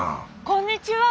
こんにちは。